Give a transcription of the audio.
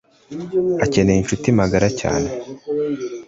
akeneye inshuti magara cyane